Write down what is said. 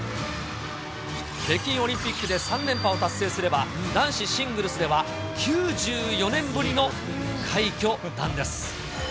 北京オリンピックで３連覇を達成すれば、男子シングルスでは９４年ぶりの快挙なんです。